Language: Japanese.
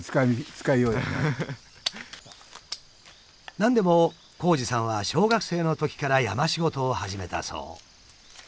何でも紘二さんは小学生のときから山仕事を始めたそう。